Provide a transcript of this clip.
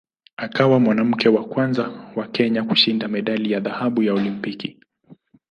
Akawa mwanamke wa kwanza wa Kenya kushinda medali ya dhahabu ya Olimpiki.